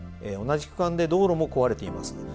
同じ区間で道路も壊れています。